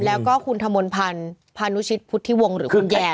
แล้วก็คุณธมนต์พันธ์พานุชิตพุทธิวงศ์หรือคุณแย่